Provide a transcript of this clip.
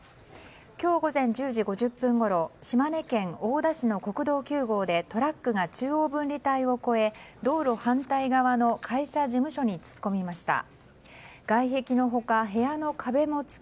今日午前１０時５０分ごろ島根県大田市の国道９号でトラックが中央分離帯を越え道路反対側の会社事務所に突っ込みました。